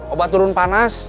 obat turun panas